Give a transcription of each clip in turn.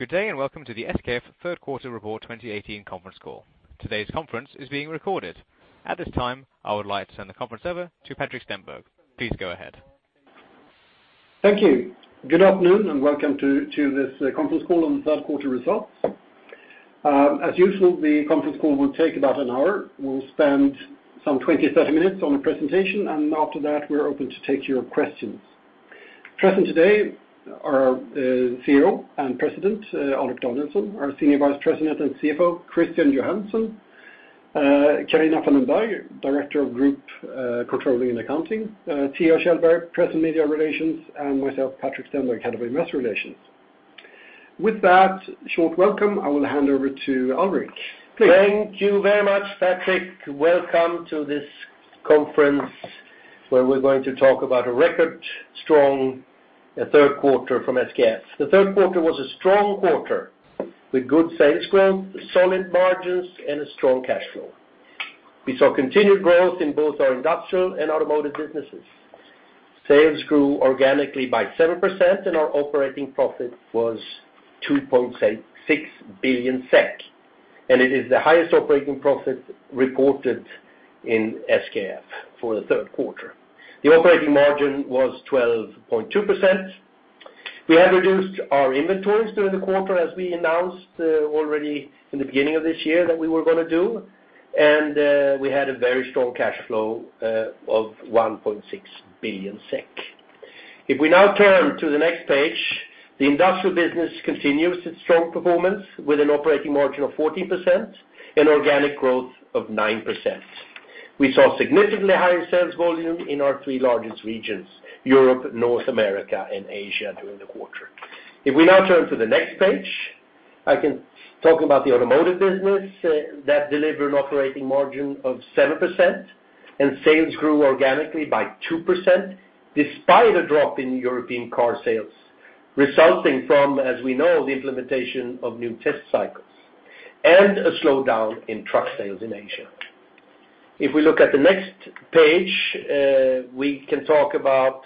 Good day, welcome to the SKF Third Quarter Report 2018 conference call. Today's conference is being recorded. At this time, I would like to turn the conference over to Patrik Stenberg. Please go ahead. Thank you. Good afternoon, welcome to this conference call on the third quarter results. As usual, the conference call will take about an hour. We'll spend some 20, 30 minutes on the presentation, and after that, we're open to take your questions. Present today are our CEO and President, Alrik Danielson, our Senior Vice President and CFO, Christian Johansson, Carina Falkenback, Director of Group Controlling and Accounting, Tia Schjelberg, Press and Media Relations, and myself, Patrik Stenberg, Head of Investor Relations. With that short welcome, I will hand over to Alrik. Please. Thank you very much, Patrik. Welcome to this conference, where we're going to talk about a record strong third quarter from SKF. The third quarter was a strong quarter with good sales growth, solid margins, and a strong cash flow. We saw continued growth in both our industrial and automotive businesses. Sales grew organically by 7%, and our operating profit was 2.6 billion SEK, and it is the highest operating profit reported in SKF for the third quarter. The operating margin was 12.2%. We have reduced our inventories during the quarter, as we announced already in the beginning of this year that we were going to do, and we had a very strong cash flow of 1.6 billion SEK. If we now turn to the next page, the industrial business continues its strong performance with an operating margin of 14% and organic growth of 9%. We saw significantly higher sales volume in our three largest regions, Europe, North America, and Asia, during the quarter. If we now turn to the next page, I can talk about the automotive business that delivered an operating margin of 7%, and sales grew organically by 2%, despite a drop in European car sales, resulting from, as we know, the implementation of new test cycles, and a slowdown in truck sales in Asia. If we look at the next page, we can talk about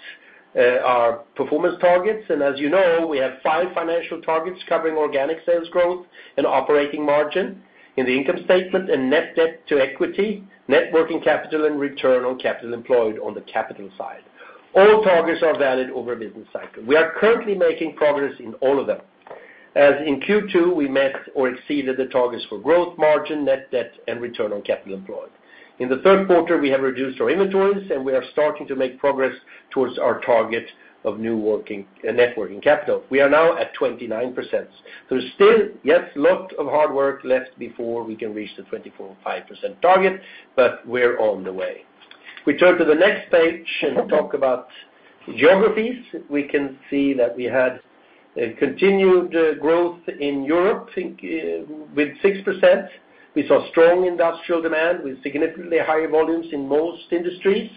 our performance targets. As you know, we have five financial targets covering organic sales growth and operating margin in the income statement and net debt to equity, net working capital, and return on capital employed on the capital side. All targets are valid over a business cycle. We are currently making progress in all of them. As in Q2, we met or exceeded the targets for gross margin, net debt, and return on capital employed. In the third quarter, we have reduced our inventories, and we are starting to make progress towards our target of net working capital. We are now at 29%. There's still a lot of hard work left before we can reach the 24.5% target, but we're on the way. We turn to the next page and talk about geographies. We can see that we had a continued growth in Europe with 6%. We saw strong industrial demand with significantly higher volumes in most industries.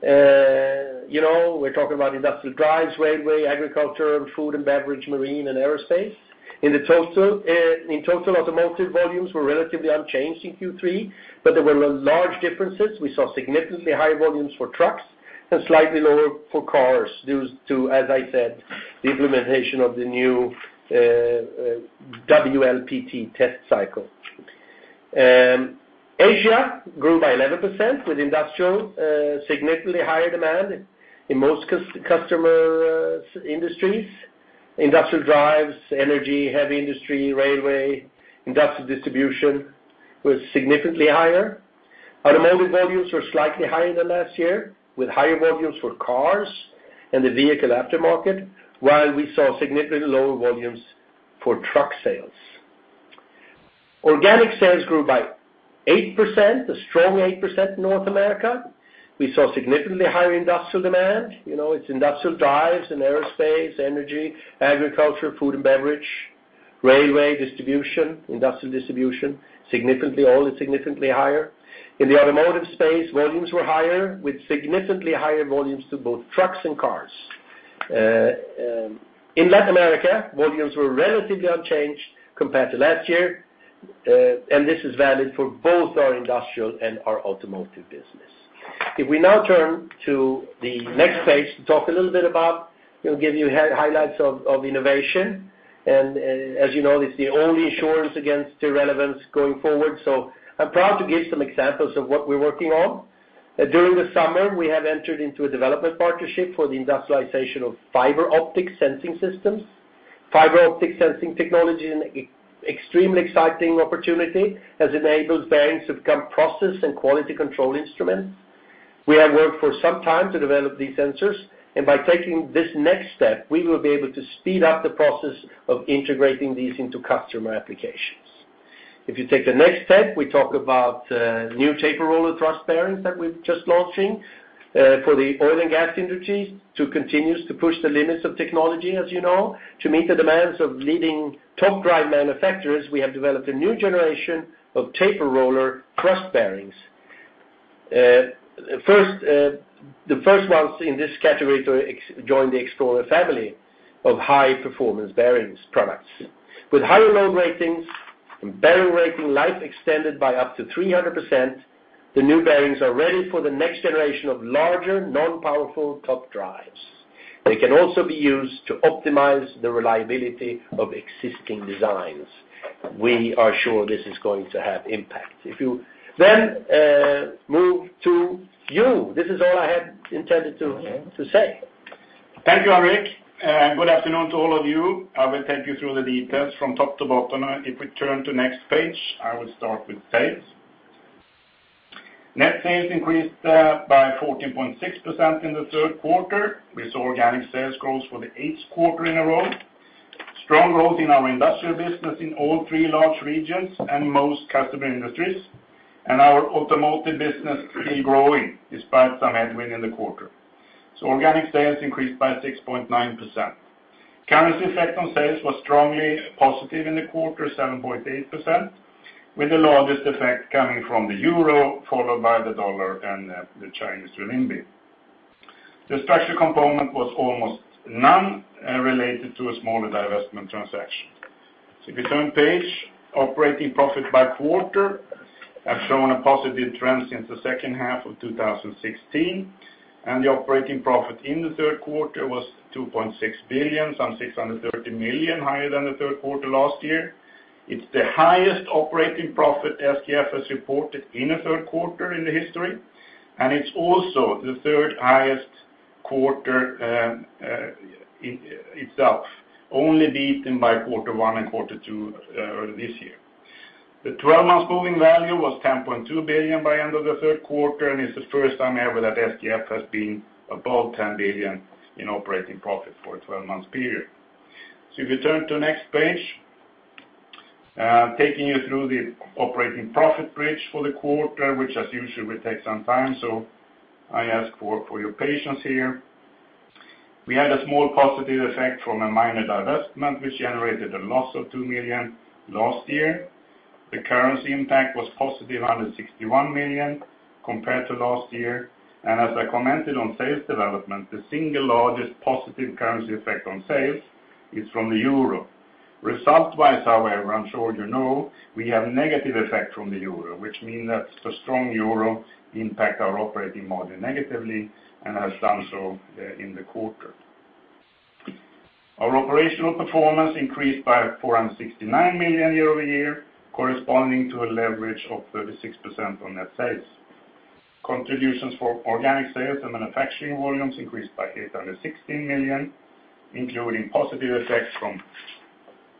We're talking about industrial drives, railway, agriculture, food and beverage, marine, and aerospace. In total, automotive volumes were relatively unchanged in Q3. There were large differences. We saw significantly higher volumes for trucks and slightly lower for cars, due to, as I said, the implementation of the new WLTP test cycle. Asia grew by 11% with industrial significantly higher demand in most customer industries. Industrial drives, energy, heavy industry, railway, industrial distribution was significantly higher. Automotive volumes were slightly higher than last year, with higher volumes for cars and the vehicle aftermarket, while we saw significantly lower volumes for truck sales. Organic sales grew by 8%, a strong 8% in North America. We saw significantly higher industrial demand. Its industrial drives in aerospace, energy, agriculture, food and beverage, railway distribution, industrial distribution, all are significantly higher. In the automotive space, volumes were higher with significantly higher volumes to both trucks and cars. In Latin America, volumes were relatively unchanged compared to last year, and this is valid for both our industrial and our automotive business. If we now turn to the next page, we'll give you highlights of innovation. As you know, it's the only assurance against irrelevance going forward. I'm proud to give some examples of what we're working on. During the summer, we have entered into a development partnership for the industrialization of fiber optic sensing systems. Fiber optic sensing technology is an extremely exciting opportunity as it enables bearings to become process and quality control instruments. We have worked for some time to develop these sensors, and by taking this next step, we will be able to speed up the process of integrating these into customer applications. If you take the next step, we talk about new tapered roller thrust bearings that we're just launching for the oil and gas industry to continue to push the limits of technology, as you know. To meet the demands of leading top drive manufacturers, we have developed a new generation of tapered roller thrust bearings. The first ones in this category to join the Explorer family of high-performance bearings products. With higher load ratings and bearing working life extended by up to 300%. The new bearings are ready for the next generation of larger, non-powerful top drives. They can also be used to optimize the reliability of existing designs. We are sure this is going to have impact. If you then move to you, this is all I had intended to say. Thank you, Patrik, and good afternoon to all of you. I will take you through the details from top to bottom. If we turn to next page, I will start with sales. Net sales increased by 14.6% in the third quarter. We saw organic sales growth for the eighth quarter in a row. Strong growth in our industrial business in all three large regions and most customer industries. And our automotive business keeps growing despite some headwind in the quarter. Organic sales increased by 6.9%. Currency effect on sales was strongly positive in the quarter, 7.8%, with the largest effect coming from the euro, followed by the dollar and the Chinese renminbi. The structure component was almost none related to a smaller divestment transaction. If you turn page, operating profit by quarter has shown a positive trend since the second half of 2016, and the operating profit in the third quarter was 2.6 billion, some 630 million higher than the third quarter last year. It is the highest operating profit SKF has reported in a third quarter in history, and it is also the third highest quarter itself, only beaten by quarter one and quarter two earlier this year. The 12-month moving value was 10.2 billion by end of the third quarter, and it is the first time ever that SKF has been above 10 billion in operating profit for a 12-month period. If you turn to next page, taking you through the operating profit bridge for the quarter, which as usual will take some time, so I ask for your patience here. We had a small positive effect from a minor divestment which generated a loss of 2 million last year. The currency impact was positive, 161 million compared to last year, and as I commented on sales development, the single largest positive currency effect on sales is from the euro. Result-wise, however, I'm sure you know we have negative effect from the euro, which means that the strong euro impacts our operating model negatively and has done so in the quarter. Our operational performance increased by 469 million year-over-year, corresponding to a leverage of 36% on net sales. Contributions for organic sales and manufacturing volumes increased by 816 million, including positive effects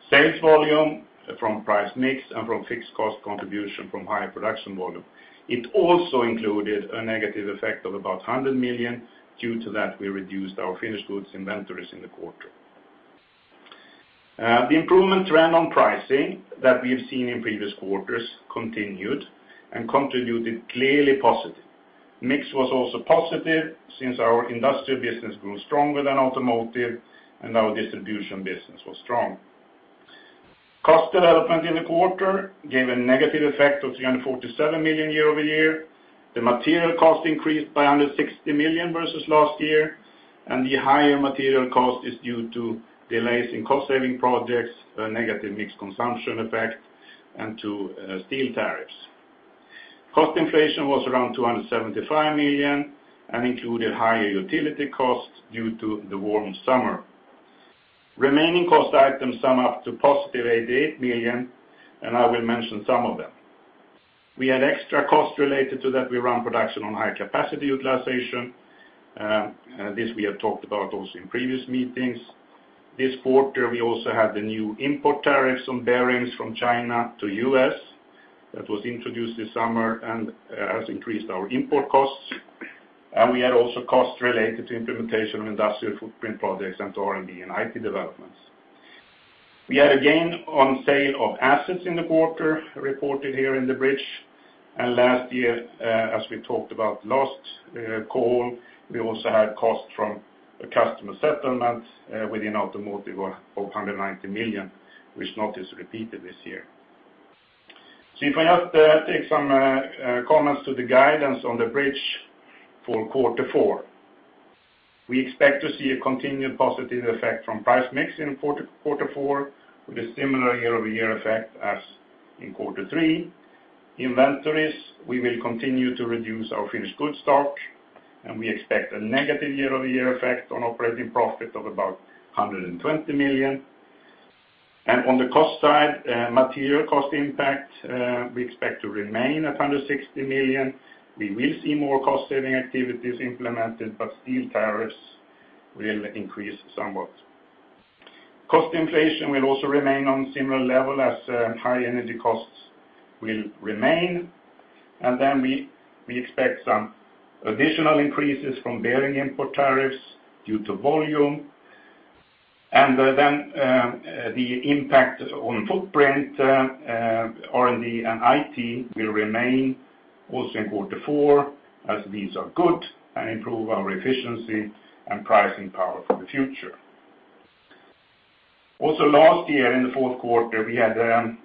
from sales volume, from price mix, and from fixed cost contribution from higher production volume. It also included a negative effect of about 100 million. Due to that, we reduced our finished goods inventories in the quarter. The improvement trend on pricing that we have seen in previous quarters continued and contributed clearly positive. Mix was also positive since our industrial business grew stronger than automotive and our distribution business was strong. Cost development in the quarter gave a negative effect of 347 million year-over-year. The material cost increased by 160 million versus last year, and the higher material cost is due to delays in cost-saving projects, a negative mix consumption effect, and to steel tariffs. Cost inflation was around 275 million and included higher utility costs due to the warm summer. Remaining cost items sum up to positive 88 million, and I will mention some of them. We had extra costs related to that we run production on higher capacity utilization. This we have talked about also in previous meetings. This quarter, we also had the new import tariffs on bearings from China to U.S. that was introduced this summer and has increased our import costs. We also had costs related to implementation of industrial footprint projects and to R&D and IT developments. We had a gain on sale of assets in the quarter reported here in the bridge. Last year, as we talked about last call, we also had costs from a customer settlement within automotive of 190 million, which not is repeated this year. If I just take some comments to the guidance on the bridge for quarter four. We expect to see a continued positive effect from price mix in quarter four with a similar year-over-year effect as in quarter three. Inventories, we will continue to reduce our finished good stock, and we expect a negative year-over-year effect on operating profit of about 120 million. On the cost side, material cost impact, we expect to remain at 160 million. Steel tariffs will increase somewhat. Cost inflation will also remain on similar level as high energy costs will remain. We expect some additional increases from bearing import tariffs due to volume. The impact on footprint, R&D, and IT will remain also in quarter four as these are good and improve our efficiency and pricing power for the future. Also last year in the fourth quarter, we had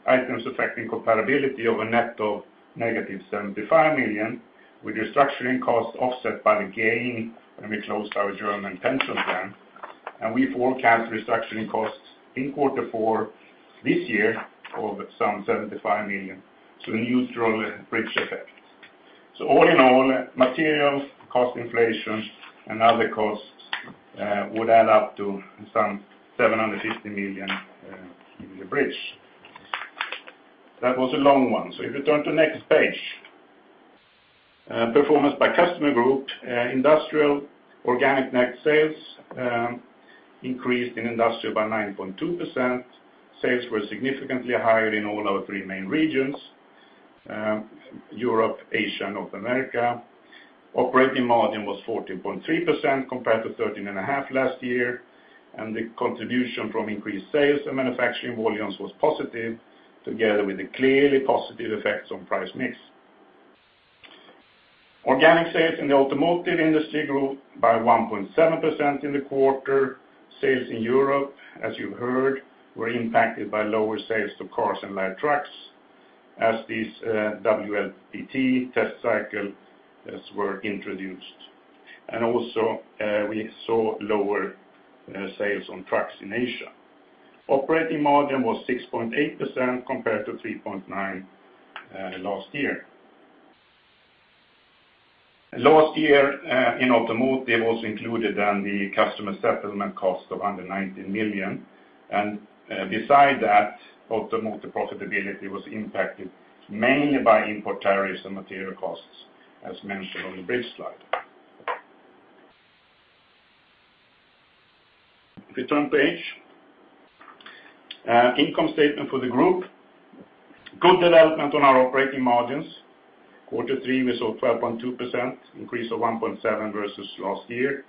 items affecting comparability of a net of negative 75 million with restructuring costs offset by the gain when we closed our German pension plan. We forecast restructuring costs in quarter four this year of some 75 million, so a neutral bridge effect. All in all, materials, cost inflation, and other costs would add up to some 750 million in the bridge. That was a long one. If you turn to next page. Performance by customer group. Industrial organic net sales increased in industrial by 9.2%. Sales were significantly higher in all our three main regions, Europe, Asia, North America. Operating margin was 14.3% compared to 13.5% last year, and the contribution from increased sales and manufacturing volumes was positive, together with the clearly positive effects on price mix. Organic sales in the automotive industry grew by 1.7% in the quarter. Sales in Europe, as you heard, were impacted by lower sales to cars and light trucks as these WLTP test cycles were introduced. Also, we saw lower sales on trucks in Asia. Operating margin was 6.8% compared to 3.9% last year. Last year in Automotive also included then the customer settlement cost of 190 million, and beside that, Automotive profitability was impacted mainly by import tariffs and material costs as mentioned on the bridge slide. If you turn page. Income statement for the group. Good development on our operating margins. Quarter three, we saw 12.2%, increase of 1.7% versus last year.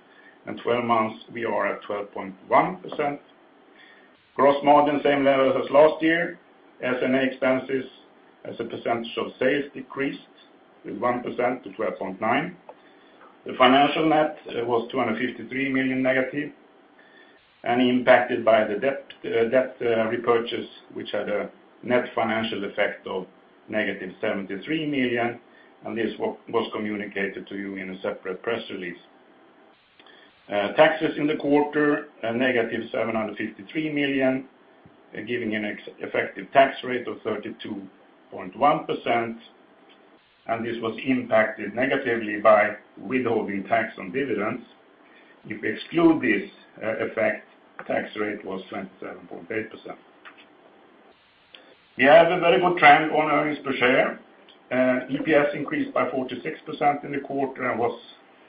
12 months, we are at 12.1%. Gross margin, same level as last year. S&A expenses as a percentage of sales decreased 1% to 12.9%. The financial net was 253 million negative and impacted by the debt repurchase, which had a net financial effect of negative 73 million, and this was communicated to you in a separate press release. Taxes in the quarter, a negative 753 million, giving an effective tax rate of 32.1%, and this was impacted negatively by withholding tax on dividends. If we exclude this effect, tax rate was 27.8%. We have a very good trend on earnings per share. EPS increased by 46% in the quarter and was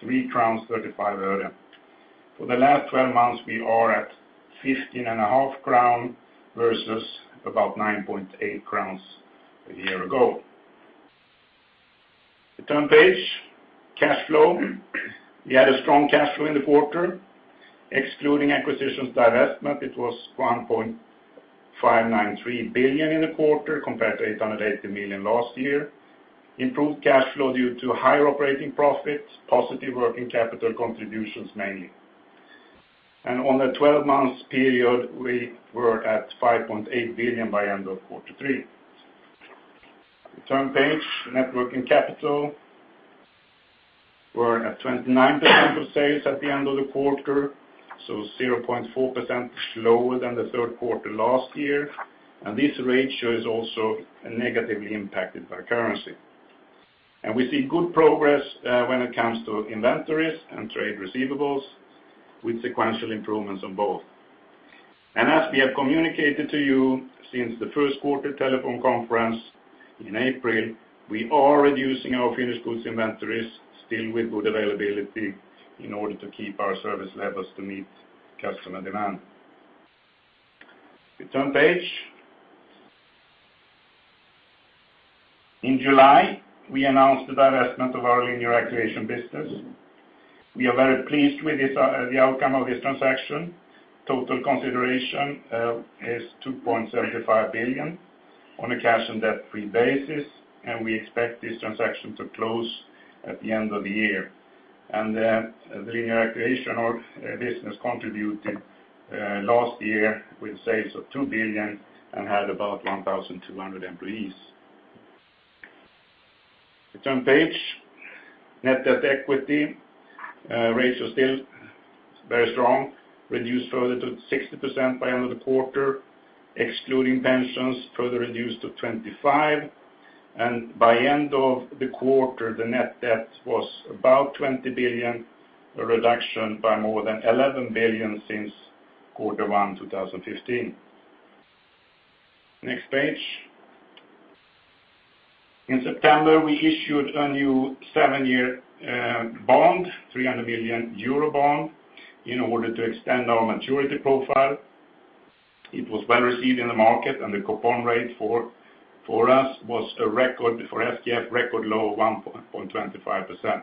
3.35 crowns. For the last 12 months, we are at 15.5 crown versus about 9.8 crowns a year ago. If you turn page, cash flow. We had a strong cash flow in the quarter. Excluding acquisitions divestment, it was 1.593 billion in the quarter compared to 880 million last year. Improved cash flow due to higher operating profits, positive working capital contributions mainly. On a 12 months period, we were at 5.8 billion by end of quarter three. If you turn page, net working capital. We're at 29% of sales at the end of the quarter, so 0.4% lower than the third quarter last year, and this ratio is also negatively impacted by currency. We see good progress when it comes to inventories and trade receivables with sequential improvements on both. As we have communicated to you since the first quarter telephone conference in April, we are reducing our finished goods inventories still with good availability in order to keep our service levels to meet customer demand. If you turn page. In July, we announced the divestment of our linear actuation business. We are very pleased with the outcome of this transaction. Total consideration is 2.75 billion on a cash- and debt-free basis, and we expect this transaction to close at the end of the year. The linear actuation business contributed last year with sales of 2 billion and had about 1,200 employees. If you turn page, net debt equity ratio still very strong, reduced further to 60% by end of the quarter, excluding pensions, further reduced to 25%, and by end of the quarter, the net debt was about 20 billion, a reduction by more than 11 billion since quarter one 2015. Next page. In September, we issued a new seven-year bond, 300 million euro bond, in order to extend our maturity profile. It was well-received in the market, and the coupon rate for us was a record for SKF, record low of 1.25%.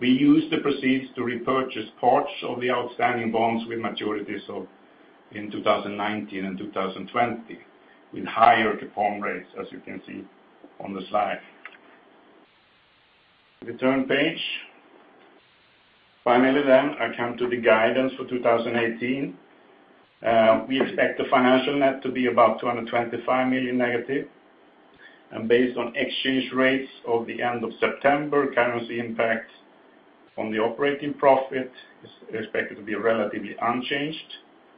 We used the proceeds to repurchase parts of the outstanding bonds with maturities in 2019 and 2020 with higher coupon rates, as you can see on the slide. If you turn page. Finally, I come to the guidance for 2018. We expect the financial net to be about 225 million negative. Based on exchange rates of the end of September, currency impact on the operating profit is expected to be relatively unchanged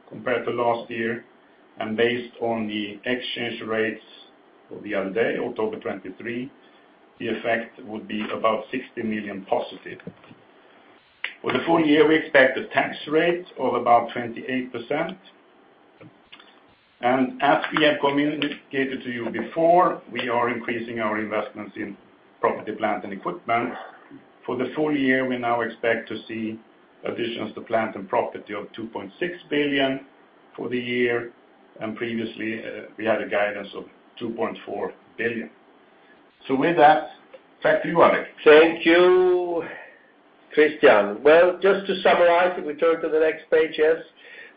compared to last year. Based on the exchange rates of the other day, October 23, the effect would be about 60 million positive. For the full year, we expect a tax rate of about 28%. As we have communicated to you before, we are increasing our investments in property, plant, and equipment. For the full year, we now expect to see additions to plant and property of 2.6 billion for the year. Previously, we had a guidance of 2.4 billion. With that, back to you, Alrik. Thank you, Christian. Just to summarize, can we turn to the next page?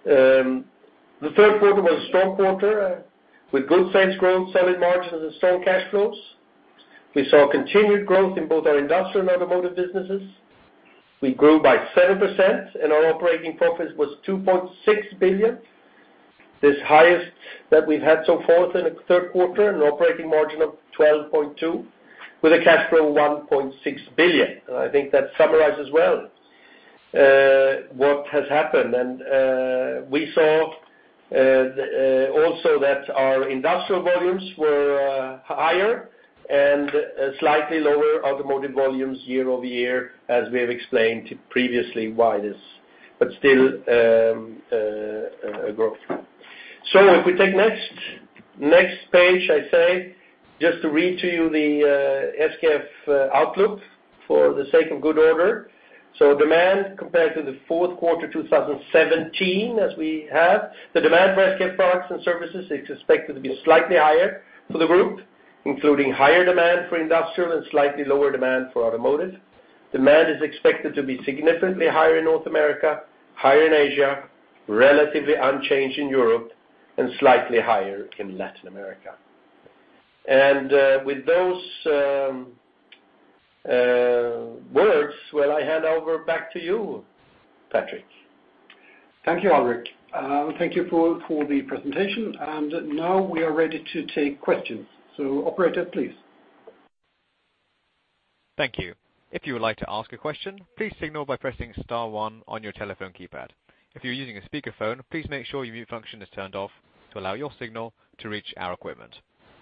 The third quarter was a strong quarter with good sales growth, selling margins, and strong cash flows. We saw continued growth in both our industrial and automotive businesses. We grew by 7%, and our operating profit was 2.6 billion, the highest that we've had so far in the third quarter, an operating margin of 12.2% with a cash flow of 1.6 billion. I think that summarizes well what has happened. We saw also that our industrial volumes were higher and slightly lower automotive volumes year-over-year, as we have explained previously why this, but still a growth. If we take next page, I say, just to read to you the SKF outlook for the sake of good order. Demand compared to the fourth quarter 2017, as we have, the demand for SKF products and services is expected to be slightly higher for the group, including higher demand for industrial and slightly lower demand for automotive. Demand is expected to be significantly higher in North America, higher in Asia, relatively unchanged in Europe, and slightly higher in Latin America. With those words, I hand over back to you, Patrik. Thank you, Alrik. Thank you for the presentation. Now we are ready to take questions. Operator, please. Thank you. If you would like to ask a question, please signal by pressing star one on your telephone keypad. If you're using a speakerphone, please make sure your mute function is turned off to allow your signal to reach our equipment.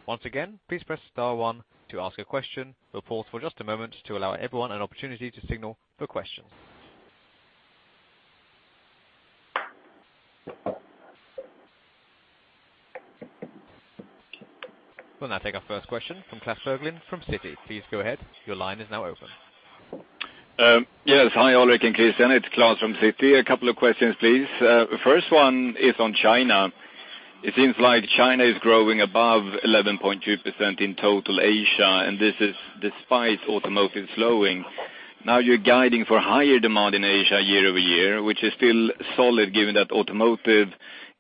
Once again, please press star one to ask a question. We'll pause for just a moment to allow everyone an opportunity to signal for questions. We'll now take our first question from Klas Bergelind from Citi. Please go ahead, your line is now open. Yes. Hi, Alrik and Christian. It's Klas from Citi. A couple of questions, please. First one is on China. It seems like China is growing above 11.2% in total Asia, and this is despite automotive slowing. You're guiding for higher demand in Asia year-over-year, which is still solid given that automotive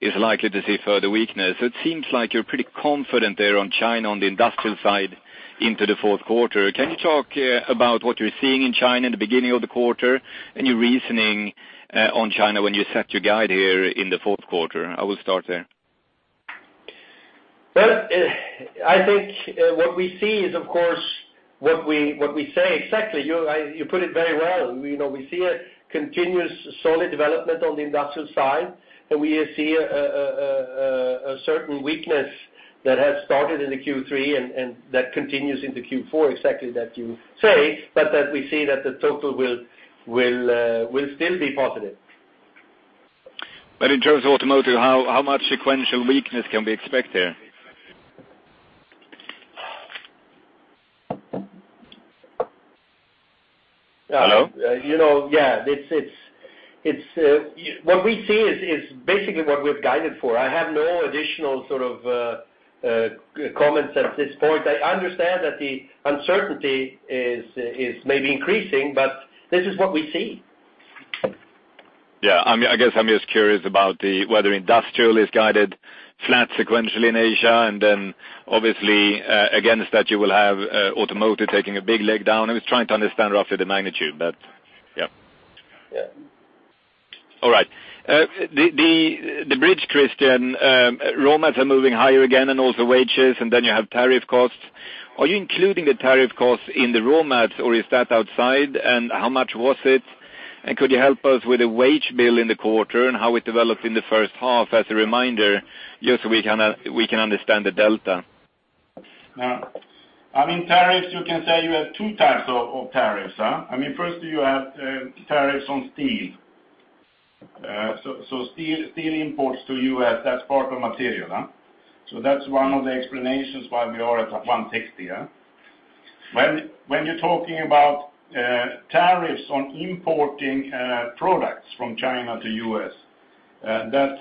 is likely to see further weakness. It seems like you're pretty confident there on China, on the industrial side into the fourth quarter. Can you talk about what you're seeing in China in the beginning of the quarter and your reasoning on China when you set your guide here in the fourth quarter? I will start there. I think what we see is, of course, what we say exactly. You put it very well. We see a continuous solid development on the industrial side. We see a certain weakness that has started in the Q3 and that continues into Q4, exactly that you say, that we see that the total will still be positive. In terms of automotive, how much sequential weakness can we expect there? Hello? What we see is basically what we've guided for. I have no additional sort of comments at this point. I understand that the uncertainty is maybe increasing, this is what we see. Yeah. I guess I'm just curious about whether industrial is guided flat sequentially in Asia, then obviously, against that you will have automotive taking a big leg down. I was trying to understand roughly the magnitude, yeah. Yeah. All right. The bridge, Christian, raw materials are moving higher again and also wages, then you have tariff costs. Are you including the tariff costs in the raw materials, or is that outside, how much was it? Could you help us with the wage bill in the quarter and how it developed in the first half as a reminder, just so we can understand the delta? Tariffs, you can say you have two types of tariffs. First you have tariffs on steel. Steel imports to U.S., that's part of material. That's one of the explanations why we are at 160. When you're talking about tariffs on importing products from China to U.S., that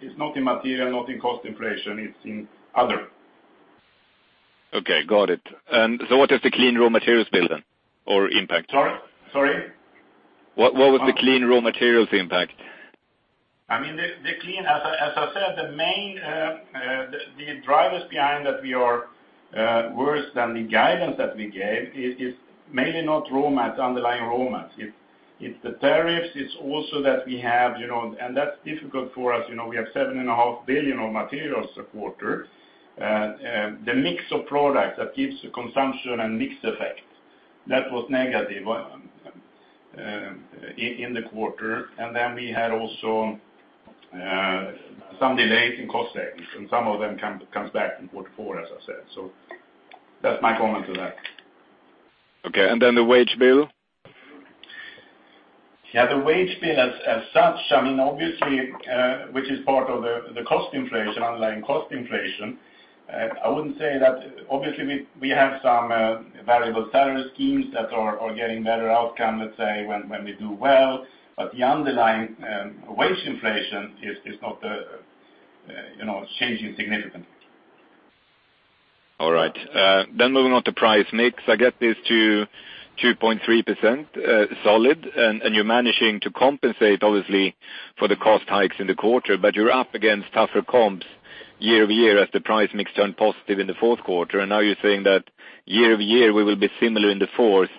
is not in material, not in cost inflation, it's in other. Okay. Got it. What is the clean raw materials bill then, or impact? Sorry? What was the clean raw materials impact? As I said, the drivers behind that we are worse than the guidance that we gave is mainly not underlying raw material. It's the tariffs. It's also that, and that's difficult for us, we have 7.5 billion of materials a quarter. The mix of products that gives the consumption and mix effect, that was negative in the quarter. We had also some delays in cost savings, and some of them comes back in quarter four, as I said. That's my comment to that. Okay. The wage bill? Yeah, the wage bill as such, obviously, which is part of the cost inflation, underlying cost inflation, I wouldn't say that. Obviously, we have some variable salary schemes that are getting better outcome, let's say, when we do well, but the underlying wage inflation is not changing significantly. All right. Moving on to price mix, I get this to 2.3% solid, you're managing to compensate, obviously, for the cost hikes in the quarter, you're up against tougher comps year-over-year as the price mix turned positive in the fourth quarter. Now you're saying that year-over-year, we will be similar in the fourth.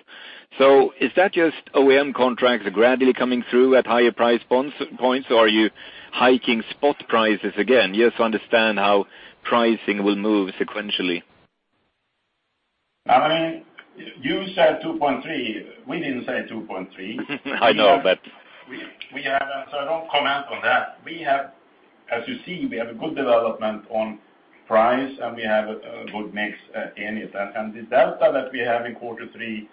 Is that just OEM contracts are gradually coming through at higher price points, or are you hiking spot prices again? Just to understand how pricing will move sequentially. You said 2.3. We didn't say 2.3. I know. I won't comment on that. As you see, we have a good development on price, and we have a good mix in it. The delta that we have in quarter three,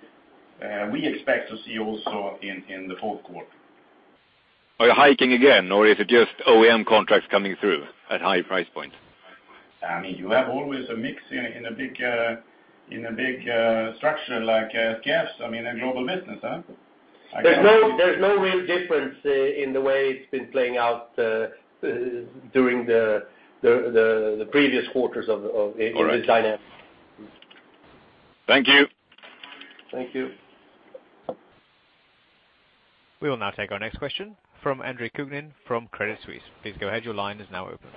we expect to see also in the fourth quarter. Are you hiking again, or is it just OEM contracts coming through at high price points? You have always a mix in a big structure like SKF's, a global business, huh? There's no real difference in the way it's been playing out during the previous quarters- All right ...this dynamic. Thank you. Thank you. We will now take our next question from Andre Kukhnin from Credit Suisse. Please go ahead, your line is now open.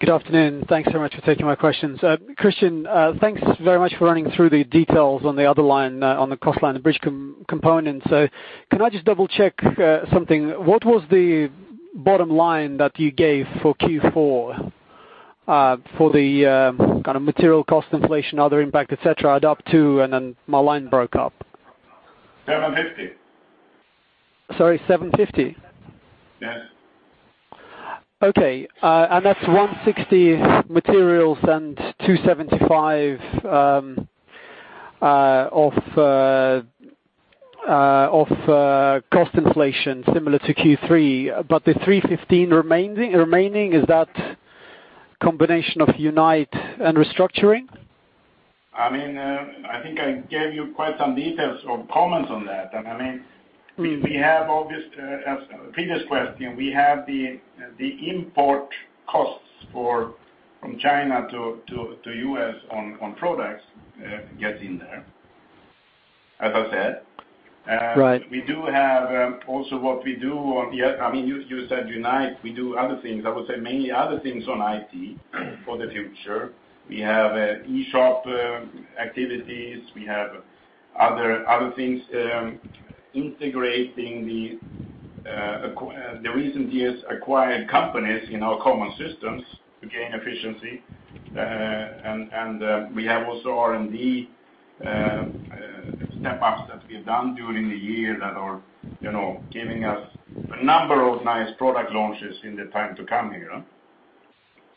Good afternoon. Thanks so much for taking my questions. Christian, thanks very much for running through the details on the other line, on the cost line, the bridge component. Can I just double-check something? What was the bottom line that you gave for Q4 for the material cost inflation, other impact, et cetera, add up to, and then my line broke up. 750. Sorry, 750? Yes. Okay. That's 160 materials and 275 of cost inflation similar to Q3, the 315 remaining, is that combination of Unite and restructuring? I think I gave you quite some details or comments on that. As previous question, we have the import costs from China to U.S. on products get in there, as I said. Right. You said Unite, we do other things. I would say mainly other things on IT for the future. We have e-shop activities. We have other things, integrating the recent years acquired companies in our common systems to gain efficiency. We have also R&D step-ups that we've done during the year that are giving us a number of nice product launches in the time to come here.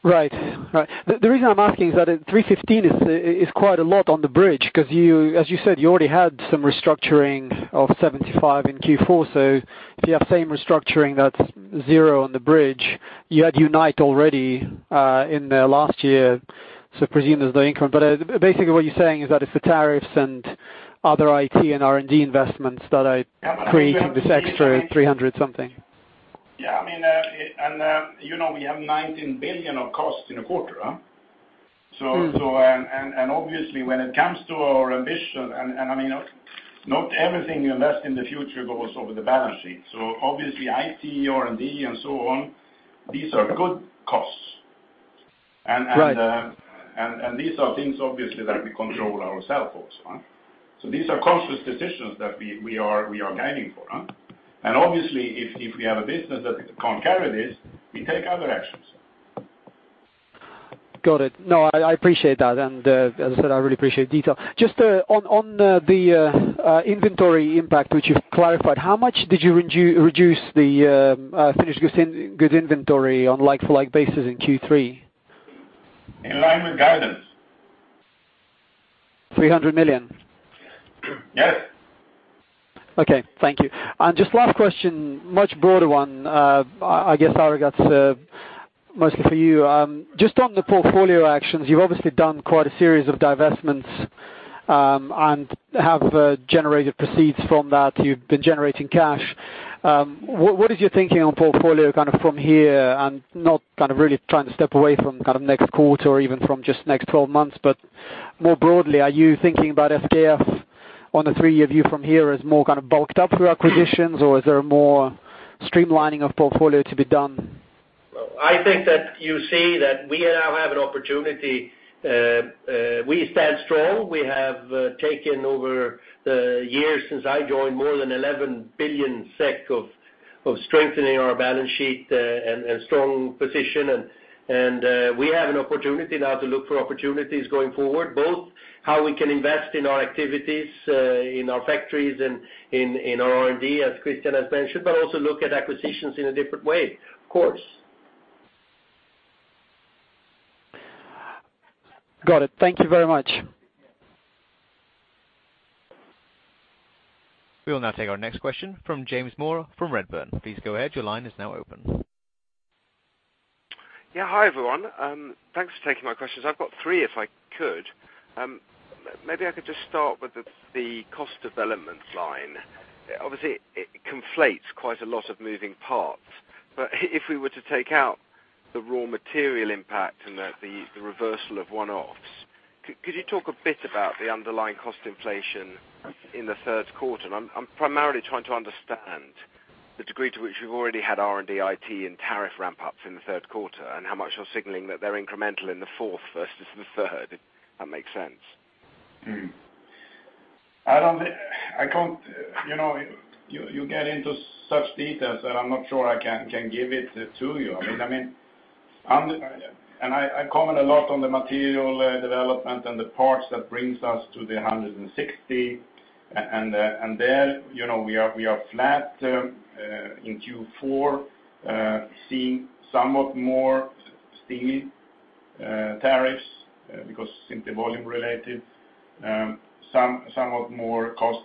Right. The reason I'm asking is that at 315 is quite a lot on the bridge because as you said, you already had some restructuring of 75 in Q4. If you have same restructuring, that's zero on the bridge. You had Unite already in the last year, presume there's no income. Basically, what you're saying is that it's the tariffs and other IT and R&D investments that are creating this extra 300 something. Yeah. We have 19 billion of costs in a quarter. Obviously when it comes to our ambition, not everything you invest in the future goes over the balance sheet. Obviously IT, R&D, and so on, these are good costs. Right. These are things obviously that we control ourselves also. These are conscious decisions that we are guiding for. Obviously if we have a business that can't carry this, we take other actions. Got it. No, I appreciate that. As I said, I really appreciate detail. Just on the inventory impact, which you've clarified, how much did you reduce the finished goods inventory on like-for-like basis in Q3? In line with guidance. SEK 300 million? Yes. Okay. Thank you. Just last question, much broader one. I guess, Alrik, mostly for you. Just on the portfolio actions, you've obviously done quite a series of divestments, and have generated proceeds from that. You've been generating cash. What is your thinking on portfolio from here? Not really trying to step away from next quarter or even from just next 12 months, but more broadly, are you thinking about SKF on the three-year view from here as more bulked up through acquisitions, or is there more streamlining of portfolio to be done? I think that you see that we now have an opportunity. We stand strong. We have taken over the years since I joined more than 11 billion SEK of strengthening our balance sheet and strong position, and we have an opportunity now to look for opportunities going forward, both how we can invest in our activities, in our factories, and in our R&D, as Christian has mentioned, but also look at acquisitions in a different way, of course. Got it. Thank you very much. We will now take our next question from James Moore from Redburn. Please go ahead. Your line is now open. Yeah. Hi, everyone. Thanks for taking my questions. I have got three if I could. Maybe I could just start with the cost development line. Obviously, it conflates quite a lot of moving parts. But if we were to take out the raw material impact and the reversal of one-offs, could you talk a bit about the underlying cost inflation in the third quarter? I am primarily trying to understand the degree to which you have already had R&D, IT, and tariff ramp-ups in the third quarter, and how much you are signaling that they are incremental in the fourth versus the third, if that makes sense. You get into such details that I am not sure I can give it to you. I comment a lot on the material development and the parts that brings us to the 160. There, we are flat in Q4, seeing somewhat more steel tariffs because simply volume related. Somewhat more cost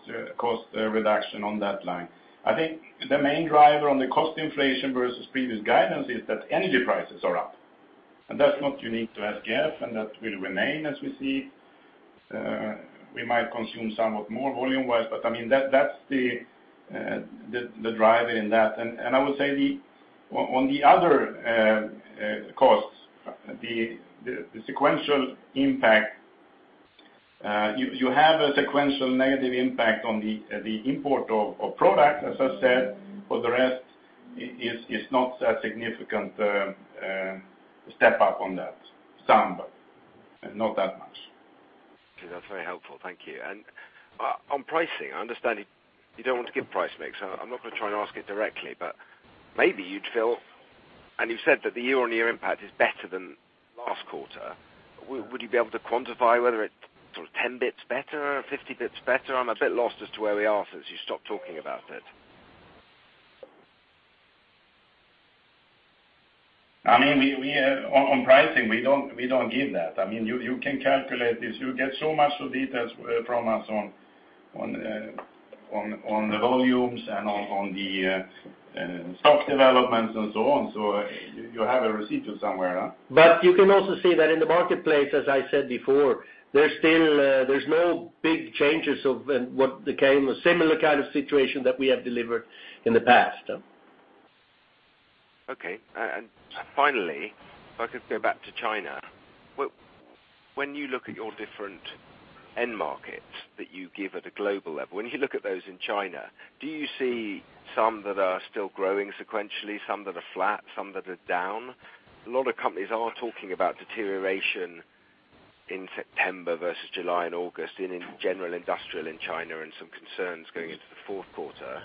reduction on that line. I think the main driver on the cost inflation versus previous guidance is that energy prices are up. That is not unique to SKF, and that will remain as we see. We might consume somewhat more volume-wise, but that is the driver in that. I would say on the other costs, the sequential impact, you have a sequential negative impact on the import of product, as I said. For the rest, it is not a significant step up on that. Some, but not that much. Okay. That is very helpful. Thank you. On pricing, I understand you do not want to give price mix, so I am not going to try and ask it directly, but maybe you would feel, and you said that the year-on-year impact is better than last quarter. Would you be able to quantify whether it is sort of 10 basis points better or 50 basis points better? I am a bit lost as to where we are since you stopped talking about it. On pricing, we don't give that. You can calculate this. You get so much of details from us on the volumes and on the stock developments and so on. You have a receipt somewhere. You can also see that in the marketplace, as I said before, there's no big changes of what became a similar kind of situation that we have delivered in the past. Okay. Finally, if I could go back to China. When you look at your different end markets that you give at a global level, when you look at those in China, do you see some that are still growing sequentially, some that are flat, some that are down? A lot of companies are talking about deterioration in September versus July and August in general industrial in China and some concerns going into the fourth quarter.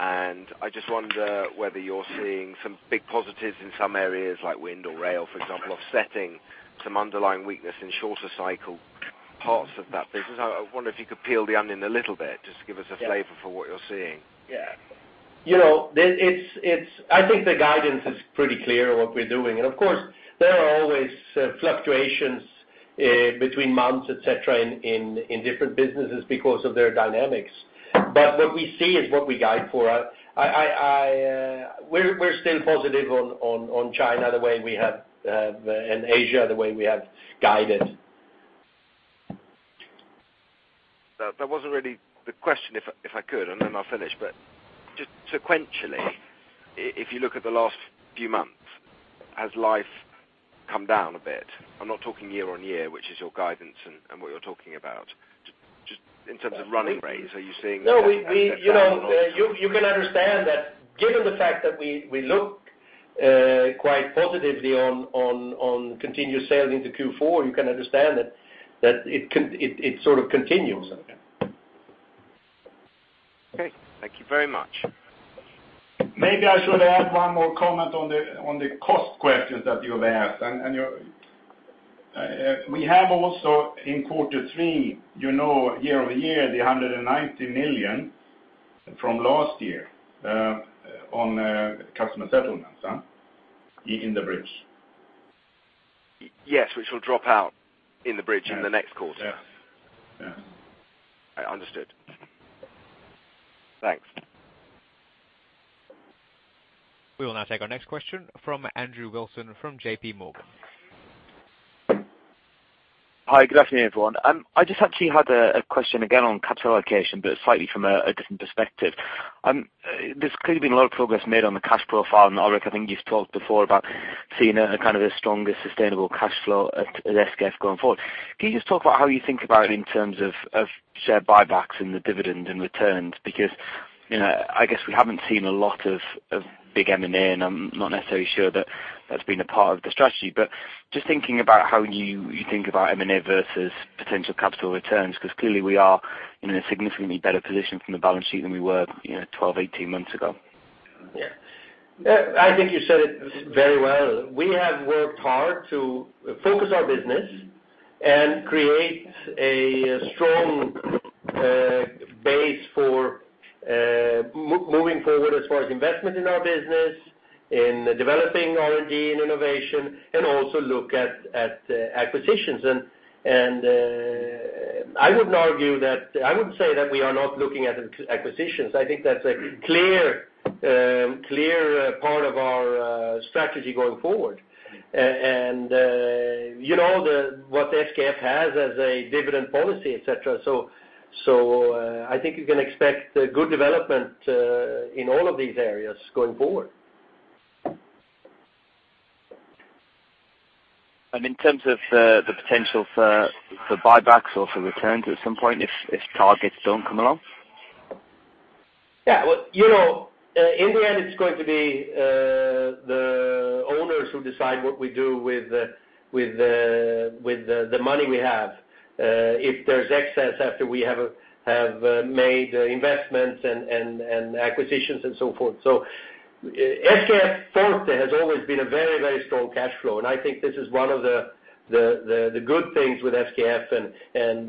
I just wonder whether you're seeing some big positives in some areas like wind or rail, for example, offsetting some underlying weakness in shorter cycle parts of that business. I wonder if you could peel the onion a little bit just to give us a flavor for what you're seeing. Yeah. I think the guidance is pretty clear on what we're doing. Of course, there are always fluctuations between months, et cetera, in different businesses because of their dynamics. What we see is what we guide for. We're still positive on China the way we have, and Asia the way we have guided. That wasn't really the question, if I could, and then I'll finish. Just sequentially, if you look at the last few months, has life come down a bit? I'm not talking year-over-year, which is your guidance and what you're talking about. Just in terms of running rates, are you seeing that step down or not? You can understand that given the fact that we look quite positively on continuous sales into Q4, you can understand that it sort of continues. Okay. Thank you very much. Maybe I should add one more comment on the cost questions that you have asked. We have also in quarter three, year-over-year, the 190 million from last year, on customer settlements in the bridge. Yes, which will drop out in the bridge in the next quarter. Yes. Understood. Thanks. We will now take our next question from Andrew Wilson from JPMorgan. Hi, good afternoon, everyone. I just actually had a question again on capital allocation, but slightly from a different perspective. There's clearly been a lot of progress made on the cash profile, and Alrik, I think you've talked before about seeing a kind of a stronger sustainable cash flow at SKF going forward. Can you just talk about how you think about it in terms of share buybacks and the dividend and returns? Because I guess we haven't seen a lot of big M&A, and I'm not necessarily sure that's been a part of the strategy. Just thinking about how you think about M&A versus potential capital returns, because clearly we are in a significantly better position from the balance sheet than we were 12, 18 months ago. Yeah. I think you said it very well. We have worked hard to focus our business and create a strong base for moving forward as far as investment in our business, in developing R&D and innovation, and also look at acquisitions. I wouldn't say that we are not looking at acquisitions. I think that's a clear part of our strategy going forward. You know what SKF has as a dividend policy, et cetera. I think you can expect good development in all of these areas going forward. In terms of the potential for buybacks or for returns at some point if targets don't come along? Yeah. In the end, it's going to be the owners who decide what we do with the money we have, if there's excess after we have made investments and acquisitions and so forth. SKF forte has always been a very strong cash flow, and I think this is one of the good things with SKF, and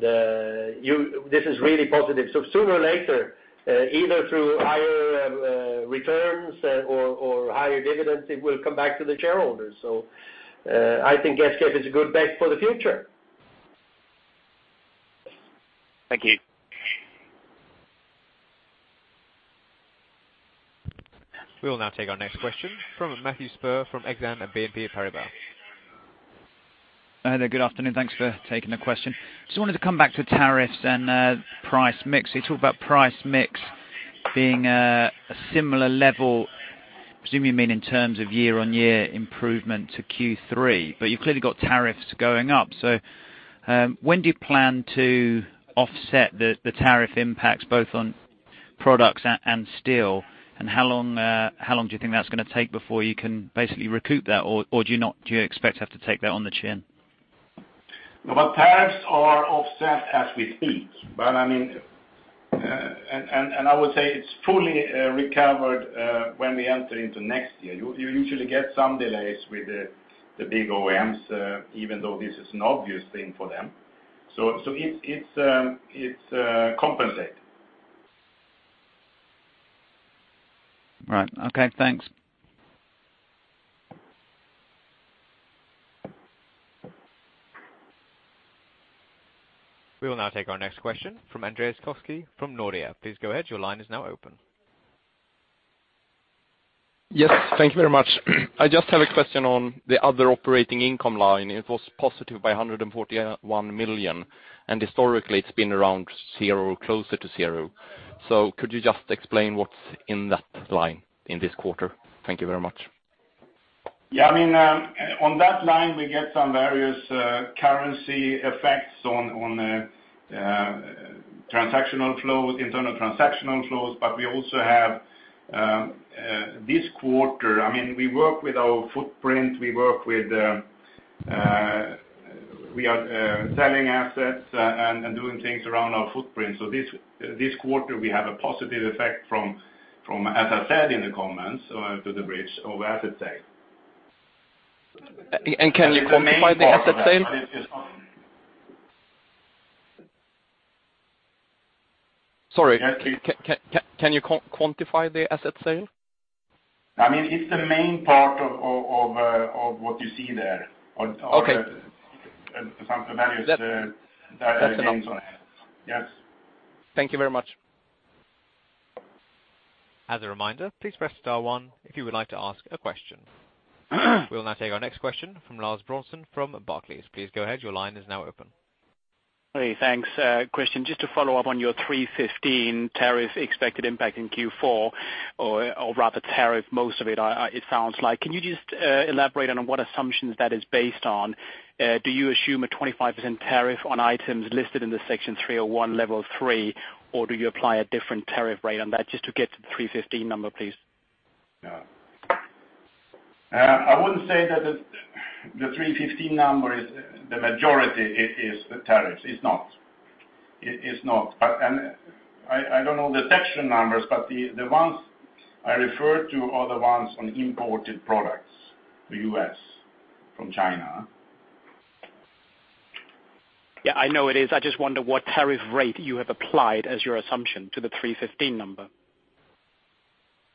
this is really positive. Sooner or later, either through higher returns or higher dividends, it will come back to the shareholders. I think SKF is a good bet for the future. Thank you. We will now take our next question from Matthew Spurr from Exane BNP Paribas. Good afternoon. Thanks for taking the question. Just wanted to come back to tariffs and price mix. You talk about price mix being a similar level, presume you mean in terms of year-on-year improvement to Q3, but you've clearly got tariffs going up. When do you plan to offset the tariff impacts both on products and steel, and how long do you think that's going to take before you can basically recoup that, or do you expect to have to take that on the chin? Well, tariffs are offset as we speak. I would say it's fully recovered when we enter into next year. You usually get some delays with the big OEMs, even though this is an obvious thing for them. It's compensated. Right. Okay, thanks. We will now take our next question from Andreas Koski from Nordea. Please go ahead. Your line is now open. Yes. Thank you very much. I just have a question on the other operating income line. It was positive by 141 million, and historically it's been around closer to zero. Could you just explain what's in that line in this quarter? Thank you very much. Yeah. On that line we get some various currency effects on internal transactional flows, but we also have. We work with our footprint. We are selling assets and doing things around our footprint. This quarter we have a positive effect from, as I said in the comments to the bridge, our asset sale. Can you quantify the asset sale? Sorry. Can you quantify the asset sale? It's the main part of what you see there. Okay. Some of the values. That's enough. Yes. Thank you very much. As a reminder, please press star one if you would like to ask a question. We'll now take our next question from Lars Brorson from Barclays. Please go ahead. Your line is now open. Hey, thanks. A question just to follow up on your 315 tariff expected impact in Q4, or rather tariff most of it sounds like. Can you just elaborate on what assumptions that is based on? Do you assume a 25% tariff on items listed in the Section 301, level 3, or do you apply a different tariff rate on that just to get to the 315 number, please? I wouldn't say that the 315 number, the majority is the tariffs. It's not. I don't know the section numbers, but the ones I refer to are the ones on imported products to U.S. from China. Yeah, I know it is. I just wonder what tariff rate you have applied as your assumption to the 315 number.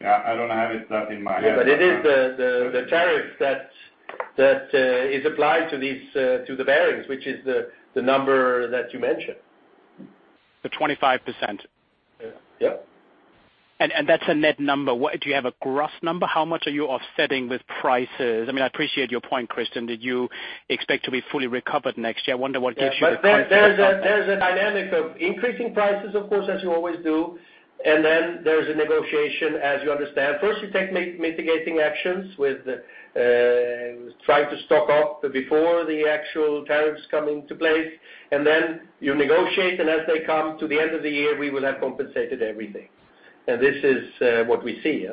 Yeah, I don't have it in my head, Yeah, but it is the tariff that is applied to the bearings, which is the number that you mentioned. The 25%? Yeah. Yeah. That's a net number. Do you have a gross number? How much are you offsetting with prices? I appreciate your point, Christian, that you expect to be fully recovered next year. I wonder what gives you the comfort of that. There's a dynamic of increasing prices, of course, as you always do, and then there's a negotiation, as you understand. First you take mitigating actions to stock up before the actual tariffs come into place, and then you negotiate, as they come to the end of the year, we will have compensated everything. This is what we see,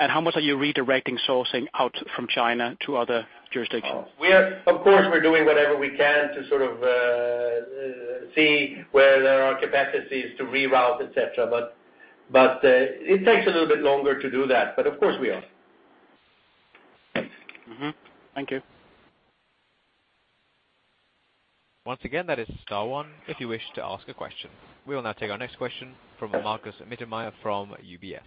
yeah. How much are you redirecting sourcing out from China to other jurisdictions? Of course, we're doing whatever we can to sort of see where there are capacities to reroute, et cetera. It takes a little bit longer to do that. Of course, we are. Thank you. Once again, that is star one if you wish to ask a question. We will now take our next question from Markus Mittermaier from UBS.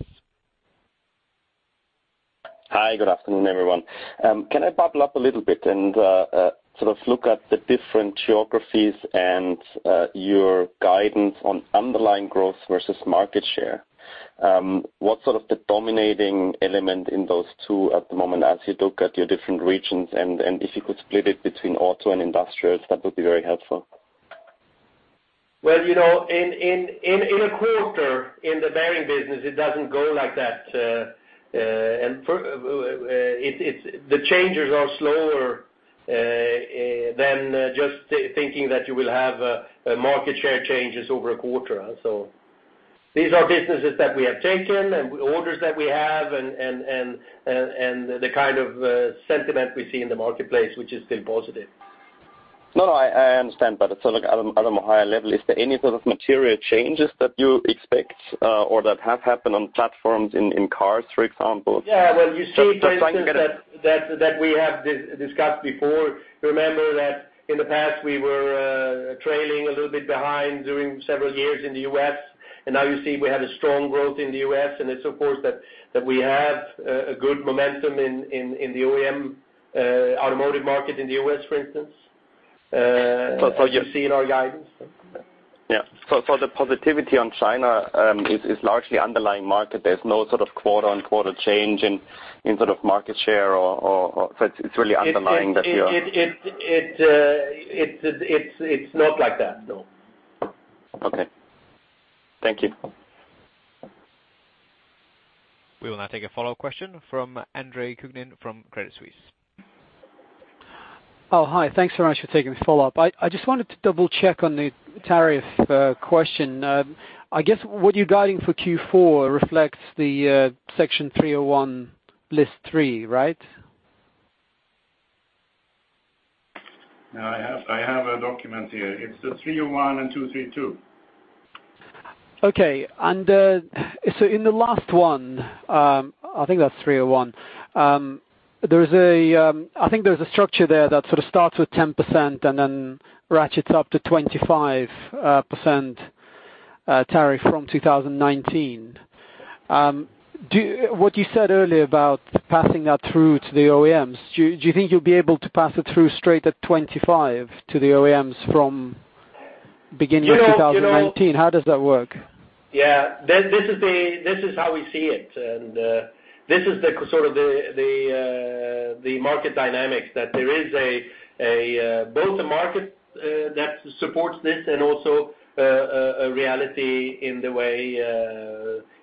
Hi. Good afternoon, everyone. Can I bubble up a little bit and sort of look at the different geographies and your guidance on underlying growth versus market share? What's sort of the dominating element in those two at the moment as you look at your different regions? If you could split it between auto and industrials, that would be very helpful. Well, in a quarter in the bearing business, it doesn't go like that. The changes are slower than just thinking that you will have market share changes over a quarter. These are businesses that we have taken and orders that we have and the kind of sentiment we see in the marketplace, which is still positive. No, I understand. At a higher level, is there any sort of material changes that you expect or that have happened on platforms in cars, for example? Yeah. Well, you see. I'm just trying to get it. that we have discussed before. Remember that in the past, we were trailing a little bit behind during several years in the U.S. Now you see we have a strong growth in the U.S. It's, of course, that we have a good momentum in the OEM automotive market in the U.S., for instance. So you- as you see in our guidance. Yeah. The positivity on China is largely underlying market. There's no sort of quarter-on-quarter change in sort of market share, or it's really underlying that you're. It's not like that, no. Okay. Thank you. We will now take a follow-up question from Andre Kukhnin from Credit Suisse. Oh, hi. Thanks so much for taking this follow-up. I just wanted to double-check on the tariff question. I guess what you're guiding for Q4 reflects the Section 301 list three, right? I have a document here. It's the 301 and 232. Okay. In the last one, I think that's 301, I think there's a structure there that sort of starts with 10% and then ratchets up to 25% tariff from 2019. What you said earlier about passing that through to the OEMs, do you think you'll be able to pass it through straight at 25 to the OEMs from beginning of 2019? You know How does that work? Yeah. This is how we see it, this is the sort of the market dynamics that there is both a market that supports this and also a reality in the way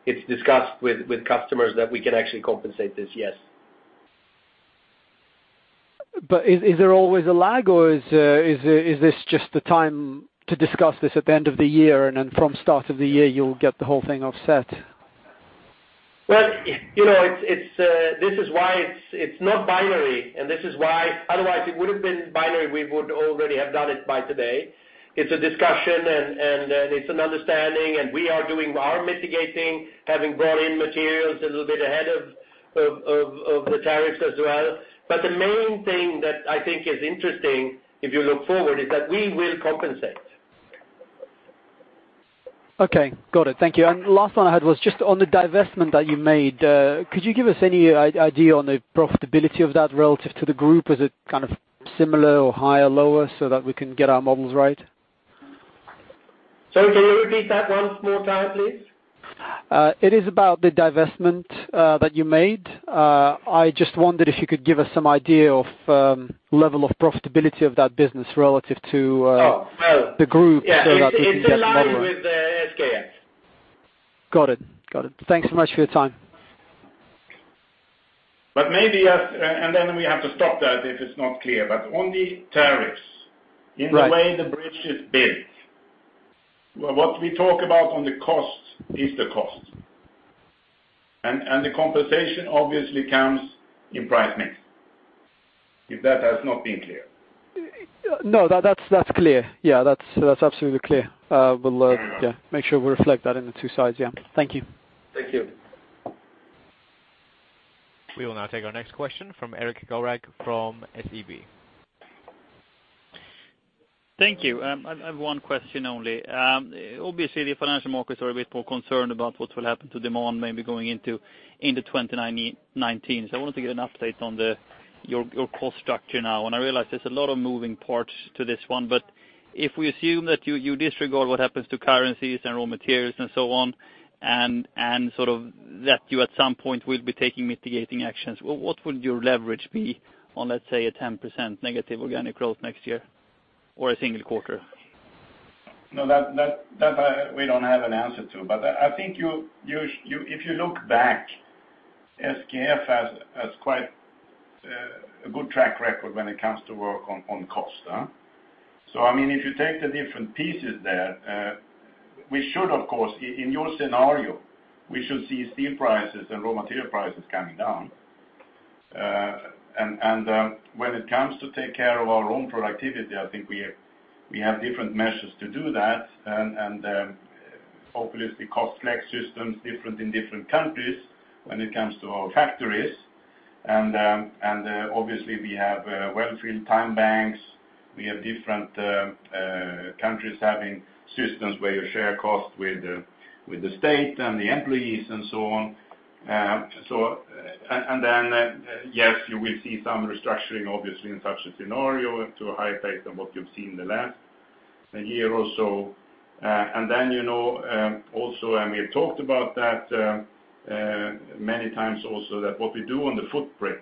it's discussed with customers that we can actually compensate this, yes. Is there always a lag, or is this just the time to discuss this at the end of the year, and then from start of the year you'll get the whole thing offset? Well, this is why otherwise it would have been binary, we would already have done it by today. It's a discussion and it's an understanding, we are doing our mitigating, having brought in materials a little bit ahead of the tariffs as well. The main thing that I think is interesting, if you look forward, is that we will compensate. Okay. Got it. Thank you. Last one I had was just on the divestment that you made. Could you give us any idea on the profitability of that relative to the group? Is it kind of similar or higher, lower, so that we can get our models right? Sorry, can you repeat that one more time, please? It is about the divestment that you made. I just wondered if you could give us some idea of level of profitability of that business relative to- Oh, well ...the group so that we can get the model right. Yeah. It's in line with the SKF. Got it. Got it. Thanks so much for your time. Maybe then we have to stop that if it's not clear. On the tariffs. Right In the way the bridge is built, what we talk about on the cost is the cost. The compensation obviously comes in price mix, if that has not been clear. No, that's clear. That's absolutely clear. Very well. Make sure we reflect that in the two sides. Thank you. Thank you. We will now take our next question from Erik Golrang from SEB. Thank you. I have one question only. Obviously, the financial markets are a bit more concerned about what will happen to demand maybe going into 2019. I wanted to get an update on your cost structure now. I realize there's a lot of moving parts to this one, but if we assume that you disregard what happens to currencies and raw materials and so on, and sort of that you at some point will be taking mitigating actions, what would your leverage be on, let's say, a 10% negative organic growth next year or a single quarter? No, that we don't have an answer to. I think if you look back, SKF has quite a good track record when it comes to work on cost. If you take the different pieces there, we should, of course, in your scenario, we should see steel prices and raw material prices coming down. When it comes to take care of our own productivity, I think we have different measures to do that, and obviously cost flex systems different in different countries when it comes to our factories. Obviously we have welfare time banks, we have different countries having systems where you share cost with the state and the employees and so on. Then, yes, you will see some restructuring, obviously, in such a scenario to a higher pace than what you've seen in the last year or so. We have talked about that many times also, that what we do on the footprint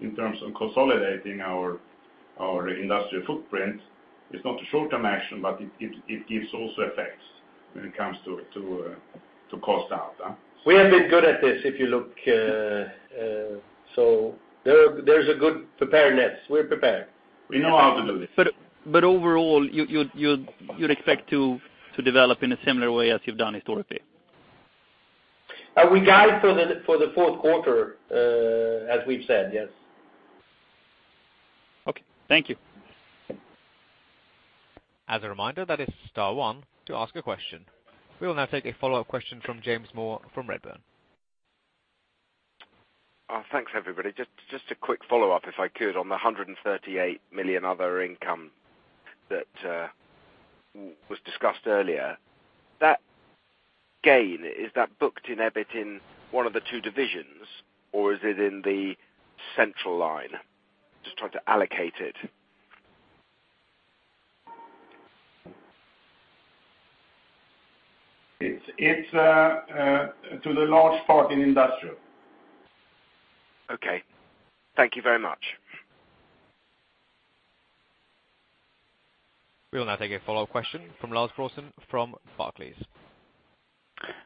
in terms of consolidating our industrial footprint is not a short-term action, but it gives also effects when it comes to cost out. We have been good at this, if you look. There's a good preparedness. We're prepared. We know how to do this. Overall, you'd expect to develop in a similar way as you've done historically? We guide for the fourth quarter, as we've said, yes. Okay. Thank you. As a reminder, that is star one to ask a question. We will now take a follow-up question from James Moore from Redburn. Thanks, everybody. Just a quick follow-up, if I could, on the 138 million other income that was discussed earlier. That gain, is that booked in EBIT in one of the two divisions, or is it in the central line? Just trying to allocate it. It's to the large part in Industrial. Okay. Thank you very much. We will now take a follow-up question from Lars Brorson from Barclays.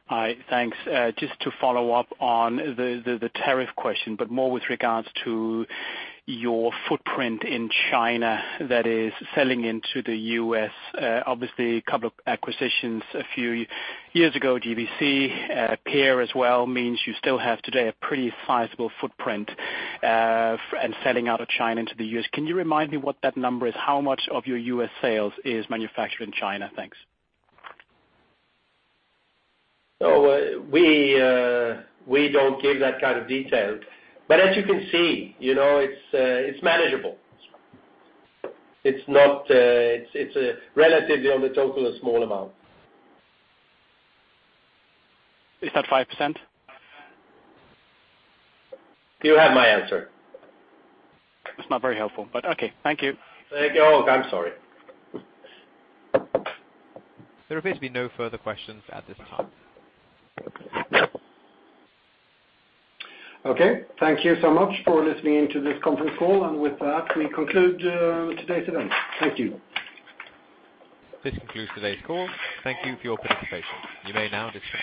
Hi. Thanks. Just to follow up on the tariff question, more with regards to your footprint in China that is selling into the U.S. Obviously a couple of acquisitions a few years ago, DBC, PEER as well, means you still have today a pretty sizable footprint, and selling out of China into the U.S. Can you remind me what that number is? How much of your U.S. sales is manufactured in China? Thanks. We don't give that kind of detail. As you can see, it's manageable. It's relatively, on the total, a small amount. Is that 5%? You have my answer. That's not very helpful, but okay. Thank you. Thank you. I'm sorry. There appears to be no further questions at this time. Okay. Thank you so much for listening in to this conference call, with that, we conclude today's event. Thank you. This concludes today's call. Thank you for your participation. You may now disconnect.